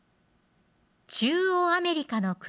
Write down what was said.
中央アメリカの国